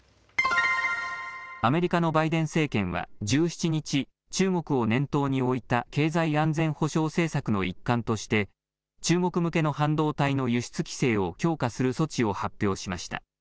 アメリカのバイデン政権は１７日、中国を念頭に置いた経済安全保障政策の一環として中国向けの半導体の輸出規制を強化する措置を発表しました。